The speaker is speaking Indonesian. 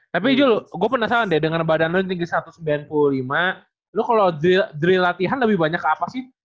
tapi jul gue penasaran deh dengan badan lo tinggi satu ratus sembilan puluh lima lo kalau jeril latihan lebih banyak ke apa sih